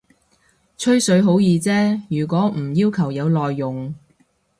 吹水好易啫，如果唔要求有內容